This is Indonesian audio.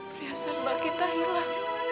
perhiasan mbak kinta hilang